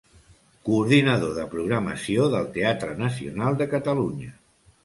Coordinador de programació del Teatre Nacional de Catalunya.